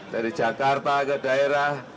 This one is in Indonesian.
dari jakarta ke daerah